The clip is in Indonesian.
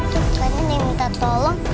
kayaknya ini minta tolong